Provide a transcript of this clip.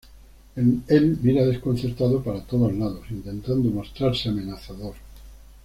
Él mira desconcertado para todos lados intentando mostrarse amenazador.